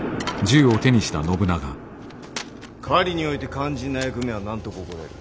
狩りにおいて肝心な役目は何と心得る？